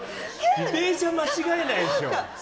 自転車間違えないでしょ。